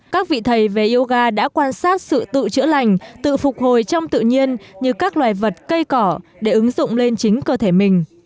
các vị thầy về yoga đã quan sát sự tự chữa lành tự phục hồi trong tự nhiên như các loài vật cây cỏ để ứng dụng lên chính cơ thể mình